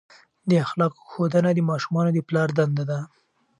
د اخلاقو ښودنه د ماشومانو د پلار دنده ده.